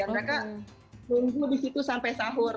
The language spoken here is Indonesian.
mereka nunggu di situ sampai sahur